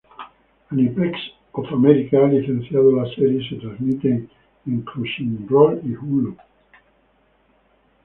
Aniplex of America ha licenciado la serie y se transmite en Crunchyroll y Hulu.